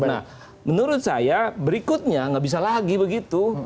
nah menurut saya berikutnya nggak bisa lagi begitu